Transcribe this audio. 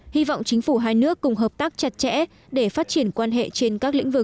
hy vọng chính phủ hai nước cùng hợp tác chặt chẽ để phát triển quan hệ trên các lĩnh vực